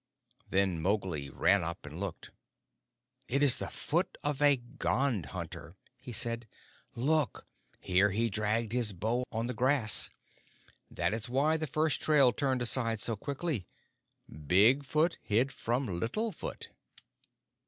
Then Mowgli ran up and looked. "It is the foot of a Gond hunter," he said. "Look! Here he dragged his bow on the grass. That is why the first trail turned aside so quickly. Big Foot hid from Little Foot."